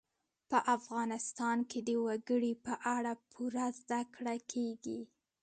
په افغانستان کې د وګړي په اړه پوره زده کړه کېږي.